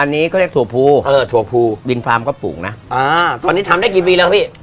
อันนี้ก็เรียกถั่วภูเออถั่วภูดินฟาร์มก็ปลูกนะอ่าตอนนี้ทำได้กี่ปีแล้วครับพี่